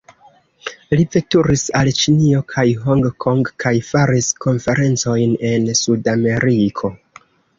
Li veturis al Ĉinio kaj Hong Kong kaj faris konferencojn en Sud-Ameriko.